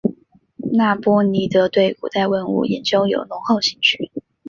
那波尼德对古代文物研究有浓厚兴趣。